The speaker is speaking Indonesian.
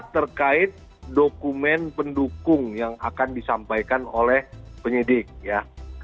terkait dokumen pendukung yang akan disampaikan oleh penyidik ya